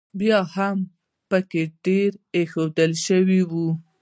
بیا هم پکې ډېرې ایښوول شوې وې.